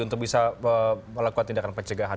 untuk bisa melakukan tindakan pencegahan